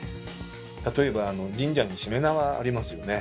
例えば神社にしめ縄ありますよね。